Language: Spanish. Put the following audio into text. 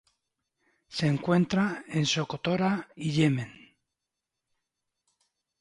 Se encuentra en Socotora y Yemen.